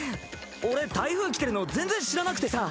俺台風来てるの全然知らなくてさ。